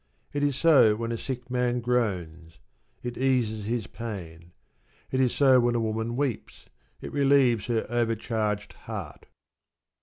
It is so when a sick man groans: it eases his pain. It is so when a woman weeps: it relieves her overcharged heart.